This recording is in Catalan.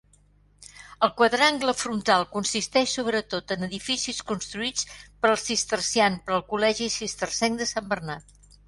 El quadrangle frontal consisteix sobretot en edificis construïts per al Cistercian per al col·legi cistercenc de San Bernard.